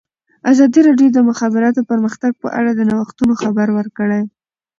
ازادي راډیو د د مخابراتو پرمختګ په اړه د نوښتونو خبر ورکړی.